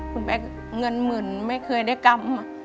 คุณแบ็คเงินหมื่นไม่เคยได้กรรม